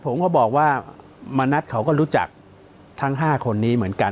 ผมก็บอกว่ามณัฐเขาก็รู้จักทั้ง๕คนนี้เหมือนกัน